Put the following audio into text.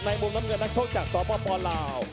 มุมน้ำเงินนักชกจากสปลาว